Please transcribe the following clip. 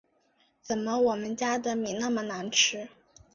怎么我们家的米那么难吃